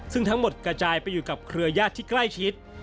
ซึ่งทั้งหมดกระจายไปอยู่กับเครือญาติที่ใกล้ชิด